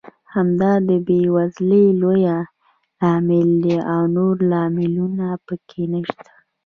همدا یې د بېوزلۍ لوی لامل دی او نور لاملونه پکې نشته.